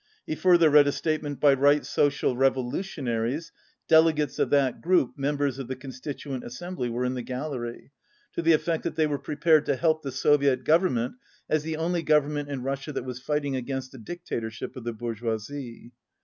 He further read a statement by Right Social Revolu tionaries (delegates of that group, members of the Constituent Assembly, were in the gallery) to the effect that they were prepared to help the Soviet Government as the only Government in Russia that was fighting against a dictatorship of the bourgeoisie.